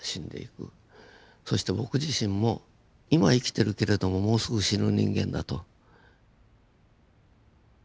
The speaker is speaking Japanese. そして僕自身も今生きてるけれどももうすぐ死ぬ人間だと。